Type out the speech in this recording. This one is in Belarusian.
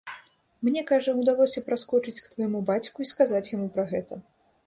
Мне, кажа, удалося праскочыць к твайму бацьку і сказаць яму пра гэта.